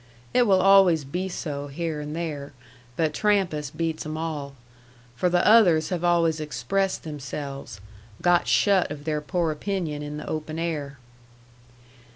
It will always be so here and there, but Trampas beats 'em all. For the others have always expressed themselves got shut of their poor opinion in the open air."